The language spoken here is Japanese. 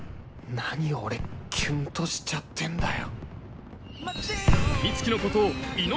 「何俺キュンとしちゃってんだよ」。